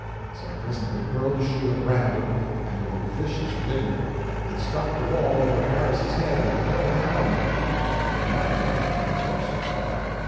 So I presently hurled a shoe at random, and with a vicious vigor. It struck the wall over Harris's head and fell down on him; I had not imagined I could throw so far.